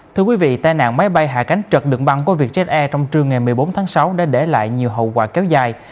thưa quý vị tai nạn máy bay hạ cánh trật đường băng của vietjet air trong trường ngày một mươi bốn tháng sáu đã để lại nhiều hậu quả kéo dài